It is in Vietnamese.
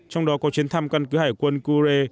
trong đó có chuyến thăm căn cứ hải quân kure